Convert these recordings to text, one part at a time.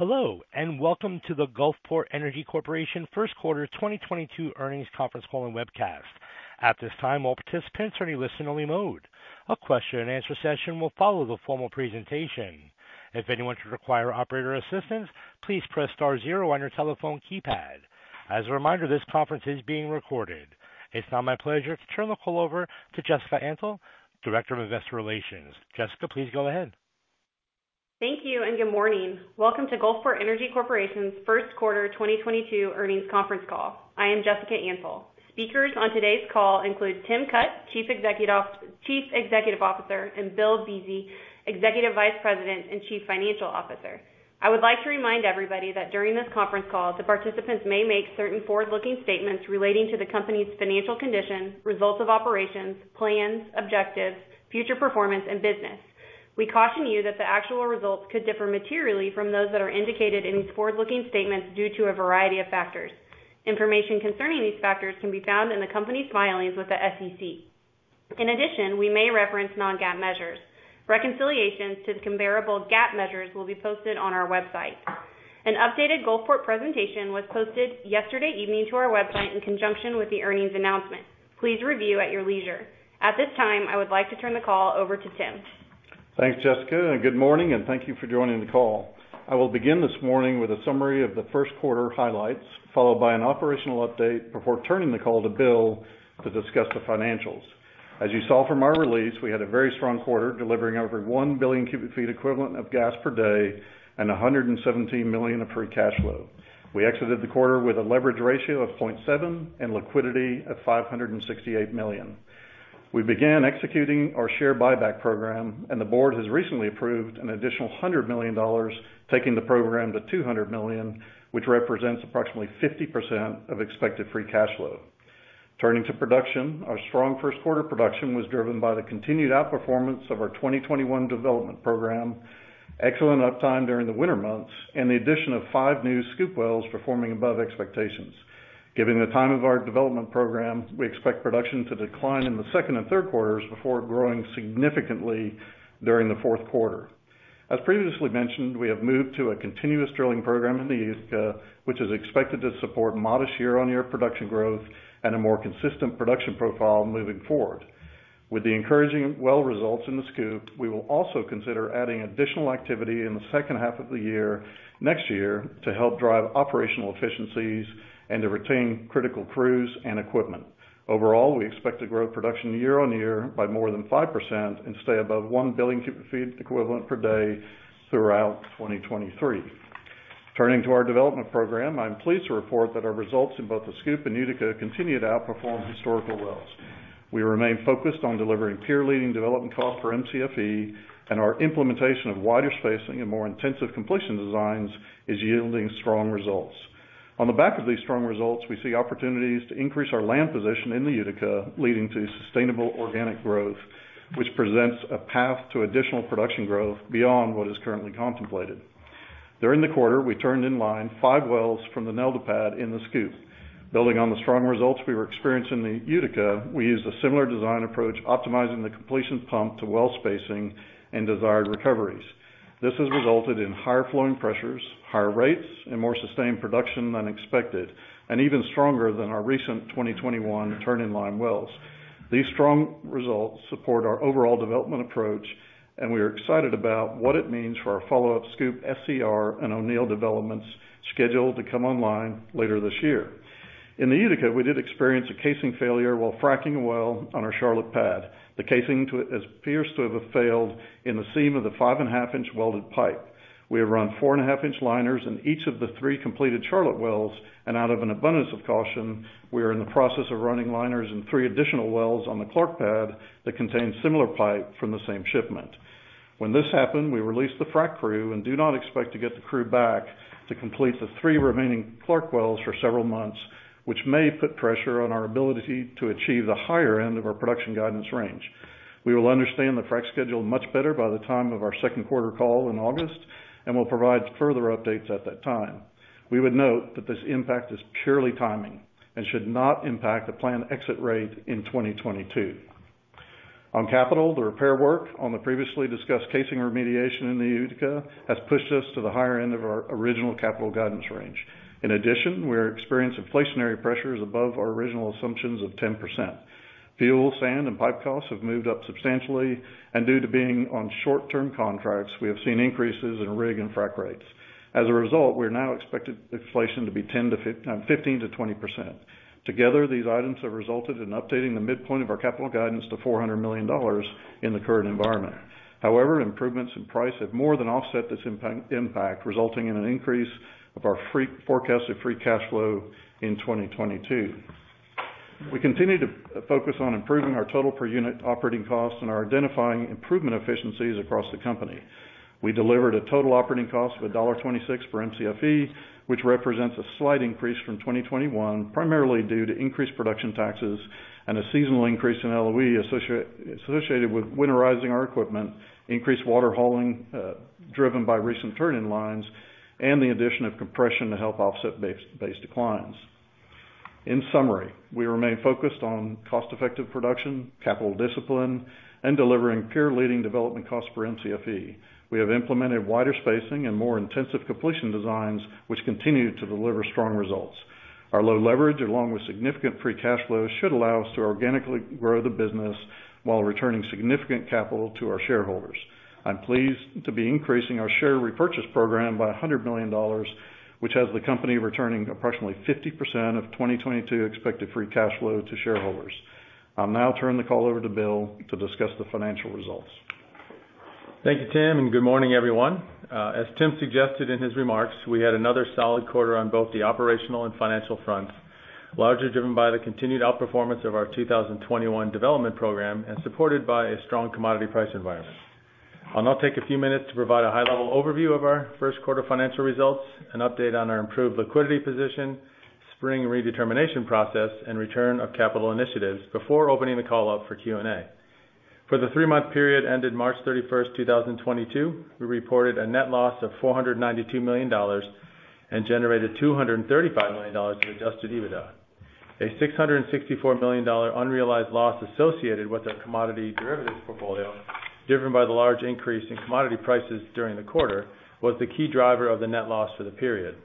Hello, and welcome to the Gulfport Energy Corporation first quarter 2022 earnings conference call and webcast. At this time, all participants are in listen only mode. A question and answer session will follow the formal presentation. If anyone should require operator assistance, please press star zero on your telephone keypad. As a reminder, this conference is being recorded. It's now my pleasure to turn the call over to Jessica Del Pizzo, Director of Investor Relations. Jessica, please go ahead. Thank you and good morning. Welcome to Gulfport Energy Corporation's first quarter 2022 earnings conference call. I am Jessica Del Pizzo. Speakers on today's call include Timothy Cutt, Chief Executive Officer, and William Buese, Executive Vice President and Chief Financial Officer. I would like to remind everybody that during this conference call, the participants may make certain forward-looking statements relating to the company's financial condition, results of operations, plans, objectives, future performance, and business. We caution you that the actual results could differ materially from those that are indicated in these forward-looking statements due to a variety of factors. Information concerning these factors can be found in the company's filings with the SEC. In addition, we may reference non-GAAP measures. Reconciliations to the comparable GAAP measures will be posted on our website. An updated Gulfport presentation was posted yesterday evening to our website in conjunction with the earnings announcement. Please review at your leisure. At this time, I would like to turn the call over to Tim Cutts. Thanks, Jessica, and good morning, and thank you for joining the call. I will begin this morning with a summary of the first quarter highlights, followed by an operational update before turning the call to Bill to discuss the financials. As you saw from our release, we had a very strong quarter, delivering over 1 billion cubic feet equivalent of gas per day and $117 million of free cash flow. We exited the quarter with a leverage ratio of 0.7 and liquidity of $568 million. We began executing our share buyback program, and the board has recently approved an additional $100 million dollars, taking the program to $200 million, which represents approximately 50% of expected free cash flow. Turning to production, our strong first quarter production was driven by the continued outperformance of our 2021 development program, excellent uptime during the winter months, and the addition of 5 new Scoop wells performing above expectations. Given the time of our development program, we expect production to decline in the second and third quarters before growing significantly during the fourth quarter. As previously mentioned, we have moved to a continuous drilling program in the Utica, which is expected to support modest year-on-year production growth and a more consistent production profile moving forward. With the encouraging well results in the Scoop, we will also consider adding additional activity in the second half of the year next year to help drive operational efficiencies and to retain critical crews and equipment. Overall, we expect to grow production year-on-year by more than 5% and stay above 1 billion cubic feet equivalent per day throughout 2023. Turning to our development program, I'm pleased to report that our results in both the Scoop and Utica continue to outperform historical wells. We remain focused on delivering peer-leading development cost for MCFE, and our implementation of wider spacing and more intensive completion designs is yielding strong results. On the back of these strong results, we see opportunities to increase our land position in the Utica, leading to sustainable organic growth, which presents a path to additional production growth beyond what is currently contemplated. During the quarter, we turned in line 5 wells from the Nelda pad in the Scoop. Building on the strong results we were experiencing in the Utica, we used a similar design approach, optimizing the completion pump to well spacing and desired recoveries. This has resulted in higher flowing pressures, higher rates, and more sustained production than expected, and even stronger than our recent 2021 turn in line wells. These strong results support our overall development approach, and we are excited about what it means for our follow-up Scoop, SCR, and O'Neill developments scheduled to come online later this year. In the Utica, we did experience a casing failure while fracking a well on our Charlotte pad. The casing to it appears to have failed in the seam of the 5.5-inch welded pipe. We have run 4.5-inch liners in each of the 3 completed Charlotte wells, and out of an abundance of caution, we are in the process of running liners in 3 additional wells on the Clark pad that contain similar pipe from the same shipment. When this happened, we released the frack crew and do not expect to get the crew back to complete the 3 remaining Clark wells for several months, which may put pressure on our ability to achieve the higher end of our production guidance range. We will understand the frack schedule much better by the time of our second quarter call in August, and we'll provide further updates at that time. We would note that this impact is purely timing and should not impact the planned exit rate in 2022. On capital, the repair work on the previously discussed casing remediation in the Utica has pushed us to the higher end of our original capital guidance range. In addition, we're experiencing inflationary pressures above our original assumptions of 10%. Fuel, sand, and pipe costs have moved up substantially, and due to being on short-term contracts, we have seen increases in rig and frack rates. As a result, we now expect inflation to be 15%-20%. Together, these items have resulted in updating the midpoint of our capital guidance to $400 million in the current environment. However, improvements in price have more than offset this impact, resulting in an increase of our forecasted free cash flow in 2022. We continue to focus on improving our total per unit operating costs and are identifying improvement efficiencies across the company. We delivered a total operating cost of $1.26 for MCFE, which represents a slight increase from 2021, primarily due to increased production taxes and a seasonal increase in LOE associated with winterizing our equipment, increased water hauling, driven by recent turn in lines, and the addition of compression to help offset base declines. In summary, we remain focused on cost-effective production, capital discipline, and delivering peer-leading development cost per MCFE. We have implemented wider spacing and more intensive completion designs, which continue to deliver strong results. Our low leverage, along with significant free cash flow, should allow us to organically grow the business while returning significant capital to our shareholders. I'm pleased to be increasing our share repurchase program by $100 million, which has the company returning approximately 50% of 2022 expected free cash flow to shareholders. I'll now turn the call over to Bill to discuss the financial results. Thank you, Tim, and good morning, everyone. As Tim suggested in his remarks, we had another solid quarter on both the operational and financial fronts, largely driven by the continued outperformance of our 2021 development program and supported by a strong commodity price environment. I'll now take a few minutes to provide a high-level overview of our first quarter financial results and update on our improved liquidity position, spring redetermination process, and return of capital initiatives before opening the call up for Q&A. For the three-month period ended March 31, 2022, we reported a net loss of $492 million and generated $235 million in adjusted EBITDA. A $664 million unrealized loss associated with our commodity derivatives portfolio, driven by the large increase in commodity prices during the quarter, was the key driver of the net loss for the period.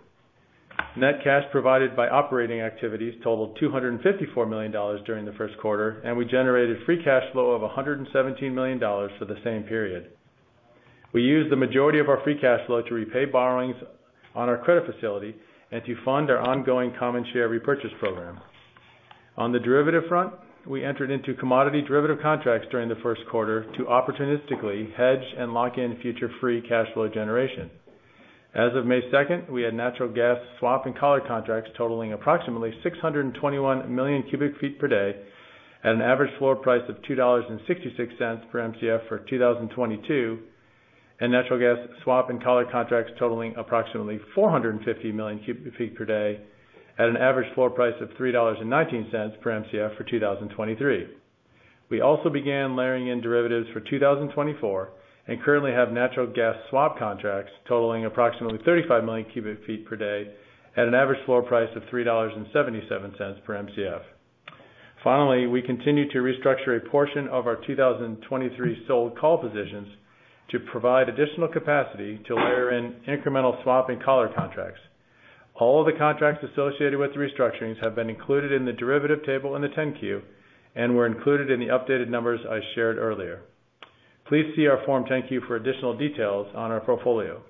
Net cash provided by operating activities totaled $254 million during the first quarter, and we generated free cash flow of $117 million for the same period. We used the majority of our free cash flow to repay borrowings on our credit facility and to fund our ongoing common share repurchase program. On the derivative front, we entered into commodity derivative contracts during the first quarter to opportunistically hedge and lock in future free cash flow generation. As of May 2, we had natural gas swap and collar contracts totaling approximately 621 million cubic feet per day at an average floor price of $2.66 per MCFE for 2022, and natural gas swap and collar contracts totaling approximately 450 million cubic feet per day at an average floor price of $3.19 per MCFE for 2023. We also began layering in derivatives for 2024, and currently have natural gas swap contracts totaling approximately 35 million cubic feet per day at an average floor price of $3.77 per MCFE. Finally, we continue to restructure a portion of our 2023 sold call positions to provide additional capacity to layer in incremental swap and collar contracts. All the contracts associated with the restructurings have been included in the derivative table in the 10-Q and were included in the updated numbers I shared earlier. Please see our Form 10-Q for additional details on our portfolio.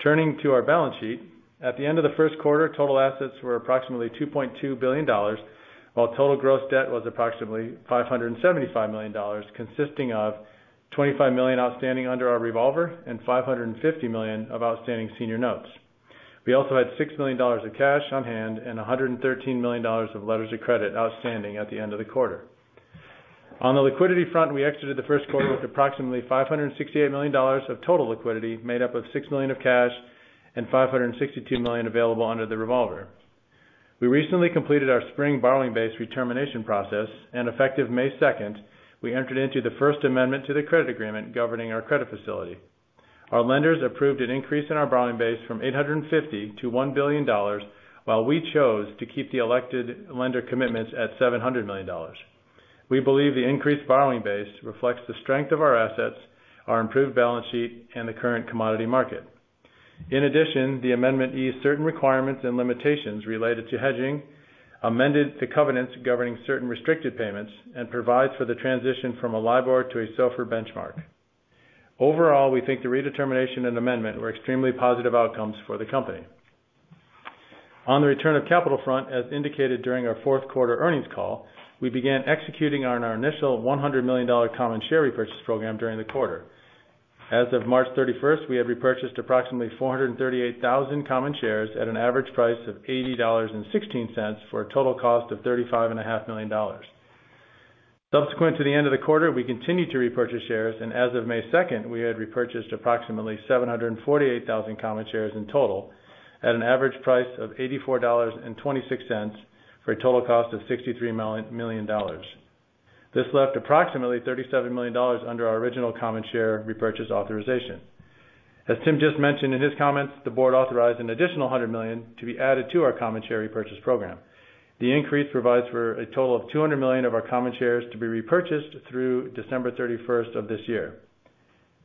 Turning to our balance sheet, at the end of the first quarter, total assets were approximately $2.2 billion, while total gross debt was approximately $575 million, consisting of $25 million outstanding under our revolver and $550 million of outstanding senior notes. We also had $6 million of cash on hand and $113 million of letters of credit outstanding at the end of the quarter. On the liquidity front, we exited the first quarter with approximately $568 million of total liquidity, made up of $6 million of cash and $562 million available under the revolver. We recently completed our spring borrowing base redetermination process, and effective May second, we entered into the first amendment to the credit agreement governing our credit facility. Our lenders approved an increase in our borrowing base from $850 million to $1 billion, while we chose to keep the elected lender commitments at $700 million. We believe the increased borrowing base reflects the strength of our assets, our improved balance sheet, and the current commodity market. In addition, the amendment eased certain requirements and limitations related to hedging, amended the covenants governing certain restricted payments, and provides for the transition from a LIBOR to a SOFR benchmark. Overall, we think the redetermination and amendment were extremely positive outcomes for the company. On the return of capital front, as indicated during our fourth quarter earnings call, we began executing on our initial $100 million common share repurchase program during the quarter. As of March thirty-first, we had repurchased approximately 438,000 common shares at an average price of $80.16, for a total cost of $35.5 million. Subsequent to the end of the quarter, we continued to repurchase shares, and as of May second, we had repurchased approximately 748,000 common shares in total at an average price of $84.26, for a total cost of $63 million. This left approximately $37 million under our original common share repurchase authorization. As Tim just mentioned in his comments, the board authorized an additional $100 million to be added to our common share repurchase program. The increase provides for a total of $200 million of our common shares to be repurchased through December 31st of this year.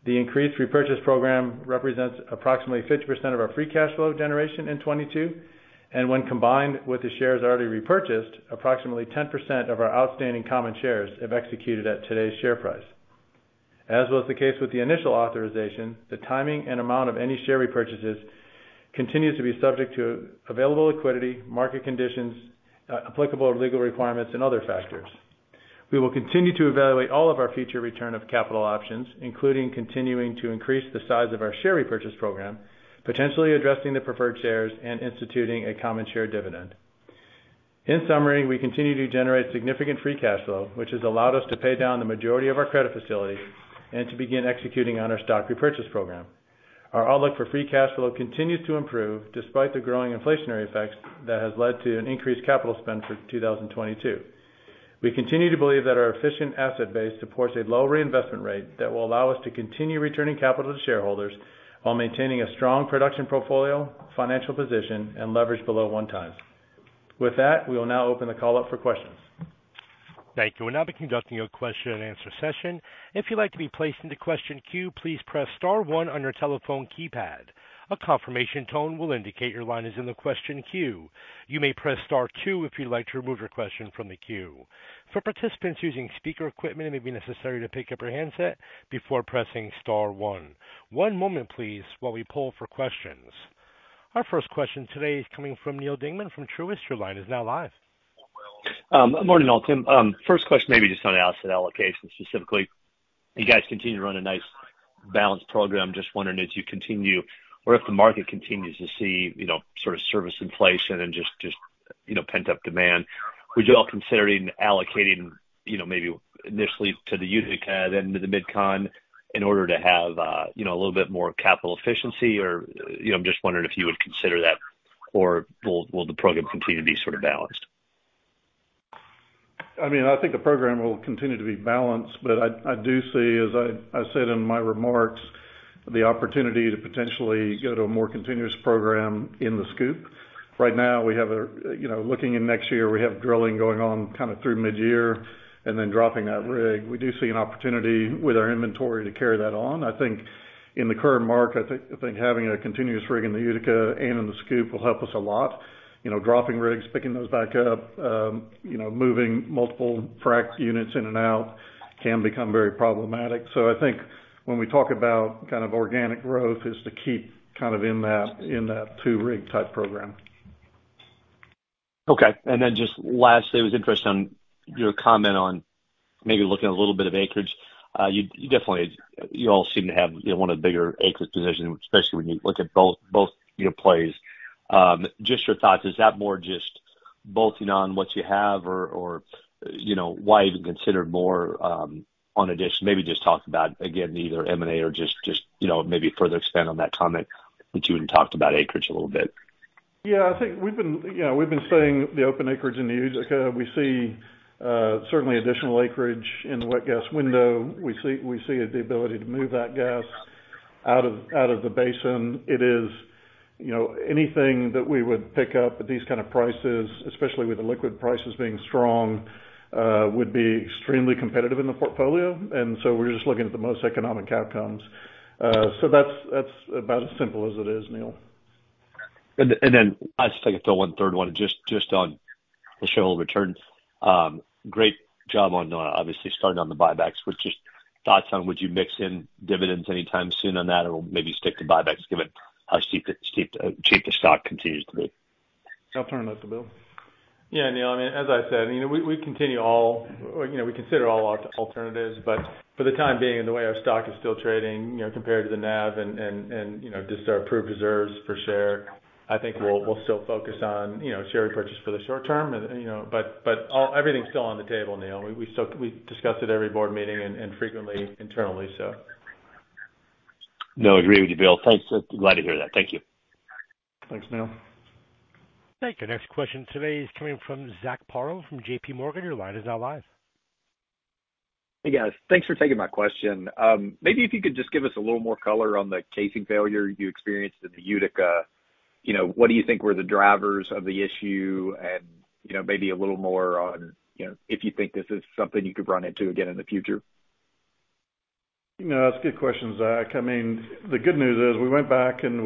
The increased repurchase program represents approximately 50% of our free cash flow generation in 2022, and when combined with the shares already repurchased, approximately 10% of our outstanding common shares have executed at today's share price. As was the case with the initial authorization, the timing and amount of any share repurchases continues to be subject to available liquidity, market conditions, applicable legal requirements, and other factors. We will continue to evaluate all of our future return of capital options, including continuing to increase the size of our share repurchase program, potentially addressing the preferred shares, and instituting a common share dividend. In summary, we continue to generate significant free cash flow, which has allowed us to pay down the majority of our credit facility and to begin executing on our stock repurchase program. Our outlook for free cash flow continues to improve despite the growing inflationary effects that has led to an increased capital spend for 2022. We continue to believe that our efficient asset base supports a low reinvestment rate that will allow us to continue returning capital to shareholders while maintaining a strong production portfolio, financial position, and leverage below 1x. With that, we will now open the call up for questions. Thank you. We'll now be conducting a question-and-answer session. If you'd like to be placed into question queue, please press star one on your telephone keypad. A confirmation tone will indicate your line is in the question queue. You may press star two if you'd like to remove your question from the queue. For participants using speaker equipment, it may be necessary to pick up your handset before pressing star one. One moment please, while we poll for questions. Our first question today is coming from Neal Dingmann from Truist. Your line is now live. Good morning, all. Tim, first question maybe just on asset allocation specifically. You guys continue to run a nice balanced program. Just wondering if you continue or if the market continues to see, you know, sort of service inflation and just, you know, pent-up demand. Would you all considering allocating, you know, maybe initially to the Utica, then to the MidCon in order to have, you know, a little bit more capital efficiency or, you know, I'm just wondering if you would consider that or will the program continue to be sort of balanced? I mean, I think the program will continue to be balanced, but I do see, as I said in my remarks, the opportunity to potentially go to a more continuous program in the Scoop. Right now, you know, looking in next year, we have drilling going on kind of through mid-year and then dropping that rig. We do see an opportunity with our inventory to carry that on. I think in the current market, I think having a continuous rig in the Utica and in the Scoop will help us a lot. You know, dropping rigs, picking those back up, you know, moving multiple frack units in and out can become very problematic. I think when we talk about kind of organic growth is to keep kind of in that, in that two rig type program. Okay. Just lastly, was interested in your comment on maybe looking at a little bit of acreage. You definitely. You all seem to have, you know, one of the bigger acreage positions, especially when you look at both your plays. Just your thoughts, is that more just bolting on what you have or, you know, why even consider more, an addition? Maybe just talk about, again, either M&A or just, you know, maybe further expand on that comment, which you had talked about acreage a little bit. Yeah. I think we've been seeing the open acreage in the Utica. You know, we see certainly additional acreage in the wet gas window. We see the ability to move that gas out of the basin. It is, you know, anything that we would pick up at these kind of prices, especially with the liquid prices being strong, would be extremely competitive in the portfolio. We're just looking at the most economic outcomes. So that's about as simple as it is, Neal. Then I just take it to one third one just on the shareholder return. Great job on obviously starting on the buybacks. Just thoughts on, would you mix in dividends anytime soon on that or maybe stick to buybacks given how cheap the stock continues to be? I'll turn it to Bill. Yeah. Neal, I mean, as I said, you know, we consider all alternatives, but for the time being and the way our stock is still trading, you know, compared to the NAV and, you know, just our proved reserves per share, I think we'll still focus on, you know, share repurchase for the short term. Everything's still on the table, Neal. We still discuss it every board meeting and frequently internally, so. No, agree with you, Bill. Thanks. Glad to hear that. Thank you. Thanks, Neal. Thank you. Next question today is coming from Zach Parham from JPMorgan. Your line is now live. Hey, guys. Thanks for taking my question. Maybe if you could just give us a little more color on the casing failure you experienced in the Utica. You know, what do you think were the drivers of the issue? You know, maybe a little more on, you know, if you think this is something you could run into again in the future. You know, that's a good question, Zach. I mean, the good news is we went back and,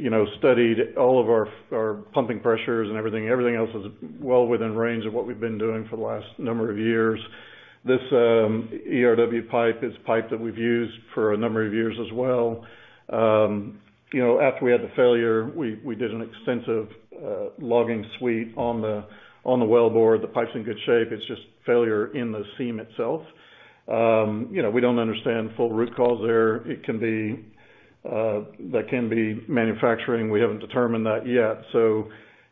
you know, studied all of our pumping pressures and everything. Everything else is well within range of what we've been doing for the last number of years. This ERW pipe is pipe that we've used for a number of years as well. You know, after we had the failure, we did an extensive logging suite on the wellbore. The pipe's in good shape. It's just failure in the seam itself. You know, we don't understand full root cause there. It can be. That can be manufacturing. We haven't determined that yet.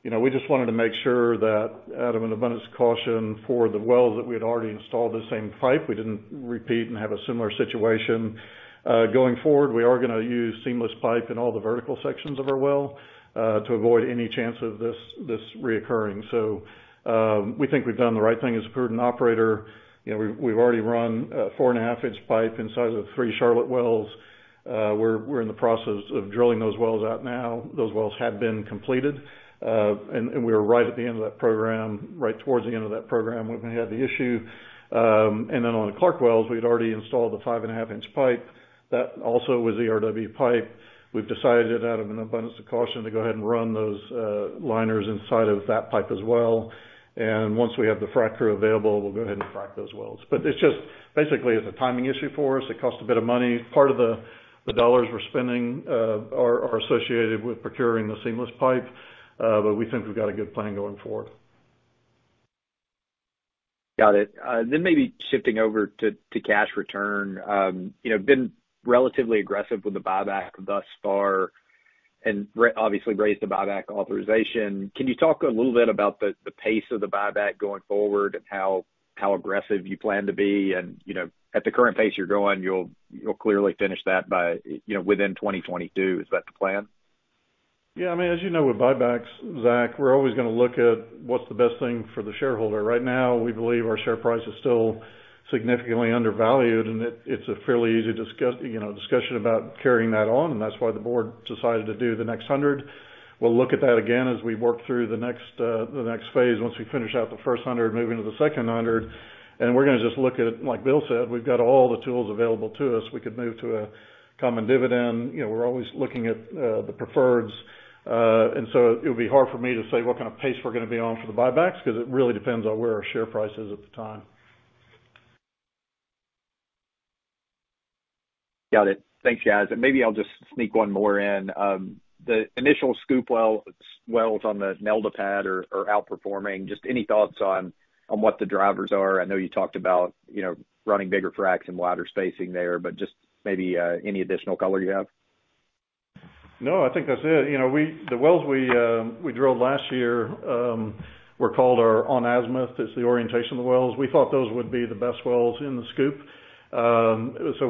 You know, we just wanted to make sure that out of an abundance of caution for the wells that we had already installed the same pipe, we didn't repeat and have a similar situation. Going forward, we are gonna use seamless pipe in all the vertical sections of our well to avoid any chance of this recurring. We think we've done the right thing as a prudent operator. You know, we've already run 4.5-inch pipe inside of three Charlotte wells. We're in the process of drilling those wells out now. Those wells have been completed. We're right at the end of that program, right towards the end of that program, when we had the issue. Then on the Clark wells, we'd already installed the 5.5-inch pipe. That also was ERW pipe. We've decided out of an abundance of caution to go ahead and run those liners inside of that pipe as well. Once we have the frack crew available, we'll go ahead and frack those wells. It's just basically a timing issue for us. It costs a bit of money. Part of the dollars we're spending are associated with procuring the seamless pipe. We think we've got a good plan going forward. Got it. Maybe shifting over to cash return. You know, been relatively aggressive with the buyback thus far and obviously raised the buyback authorization. Can you talk a little bit about the pace of the buyback going forward and how aggressive you plan to be? You know, at the current pace you're going, you'll clearly finish that by, you know, within 2022. Is that the plan? Yeah, I mean, as you know, with buybacks, Zach, we're always gonna look at what's the best thing for the shareholder. Right now, we believe our share price is still significantly undervalued, and it's a fairly easy you know, discussion about carrying that on, and that's why the board decided to do the next hundred. We'll look at that again as we work through the next, the next phase once we finish out the first hundred, moving to the second hundred. We're gonna just look at, like Bill said, we've got all the tools available to us. We could move to a common dividend. You know, we're always looking at the preferreds. It would be hard for me to say what kind of pace we're gonna be on for the buybacks 'cause it really depends on where our share price is at the time. Got it. Thanks, guys. Maybe I'll just sneak one more in. The initial SCOOP wells on the Nelda pad are outperforming. Just any thoughts on what the drivers are? I know you talked about, you know, running bigger fracs and wider spacing there, but just maybe any additional color you have. No, I think that's it. You know, the wells we drilled last year were called our on-azimuth. It's the orientation of the wells. We thought those would be the best wells in the Scoop.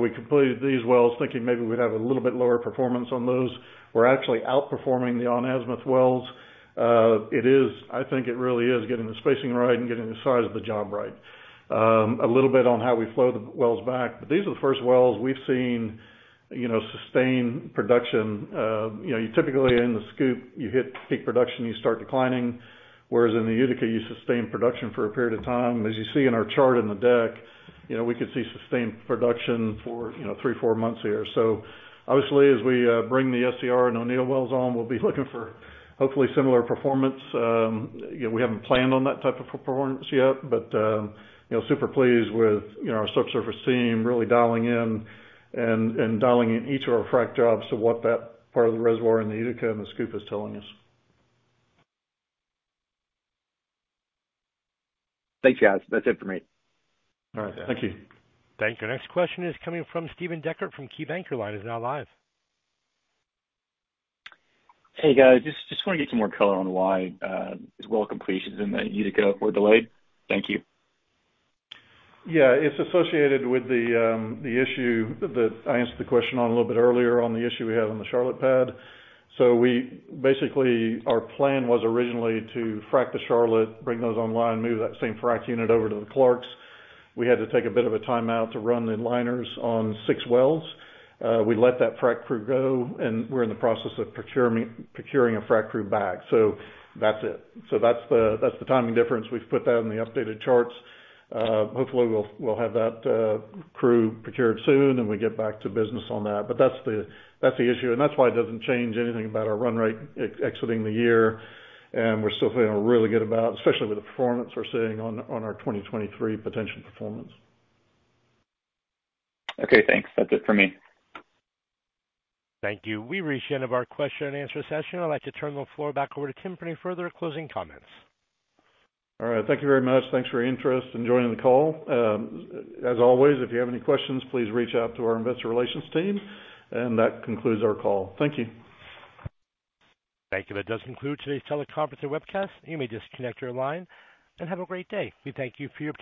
We completed these wells thinking maybe we'd have a little bit lower performance on those. We're actually outperforming the on-azimuth wells. I think it really is getting the spacing right and getting the size of the job right. A little bit on how we flow the wells back, but these are the first wells we've seen, you know, sustain production. You know, typically in the Scoop, you hit peak production, you start declining, whereas in the Utica, you sustain production for a period of time. As you see in our chart in the deck, you know, we could see sustained production for, you know, 3-4 months here. Obviously, as we bring the SCR and O'Neill wells on, we'll be looking for hopefully similar performance. You know, we haven't planned on that type of performance yet, but you know, super pleased with, you know, our subsurface team really dialing in and dialing in each of our frac jobs to what that part of the reservoir in the Utica and the Scoop is telling us. Thanks, guys. That's it for me. All right. Thank you. Thank you. Next question is coming from Stephen Decker from KeyBanc. Your line is now live. Hey, guys. Just wanna get some more color on why these well completions in the Utica were delayed. Thank you. Yeah. It's associated with the issue that I answered the question on a little bit earlier on the issue we have on the Charlotte pad. Our plan was originally to frac the Charlotte, bring those online, move that same frac unit over to the Clarks. We had to take a bit of a timeout to run the liners on six wells. We let that frac crew go, and we're in the process of procuring a frac crew back. That's it. That's the timing difference. We've put that in the updated charts. Hopefully we'll have that crew procured soon, and we get back to business on that. That's the issue, and that's why it doesn't change anything about our run rate exiting the year, and we're still feeling really good about, especially with the performance we're seeing on our 2023 potential performance. Okay, thanks. That's it for me. Thank you. We've reached the end of our question and answer session. I'd like to turn the floor back over to Tim for any further closing comments. All right. Thank you very much. Thanks for your interest in joining the call. As always, if you have any questions, please reach out to our investor relations team. That concludes our call. Thank you. Thank you. That does conclude today's teleconference and webcast. You may disconnect your line and have a great day. We thank you for your participation.